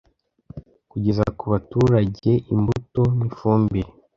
Kugeza ku baturage imbuto n ifumbire